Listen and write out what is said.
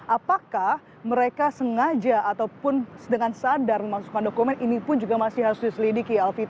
apakah mereka sengaja ataupun dengan sadar memasukkan dokumen ini pun juga masih harus diselidiki alvi